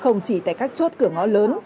không chỉ tại các chốt cửa ngõ lớn